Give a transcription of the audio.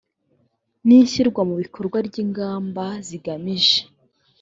n ishyirwa mu bikorwa ry ingamba zigamije